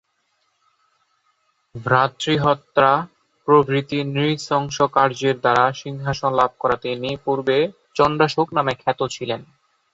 ভ্রাতৃহত্যা প্রভৃতি নৃশংস কার্যের দ্বারা সিংহাসন লাভ করাতে ইনিপূর্বে চণ্ডাশোক নামে খ্যাত ছিলেন।